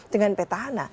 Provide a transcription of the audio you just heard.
dengan peta hana